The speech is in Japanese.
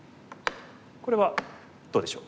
これはどうでしょう？